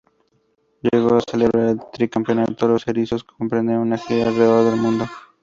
Luego de celebrar el tricampeonato, los erizos emprenden una gira alrededor del mundo.